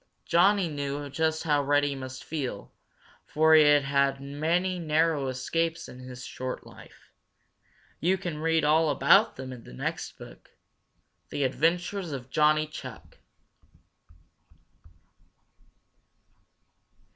Johnny knew just how Reddy must feel, for he had had many narrow escapes in his short life. You can read all about them in the next book, The Adventures of Johnny Chuck.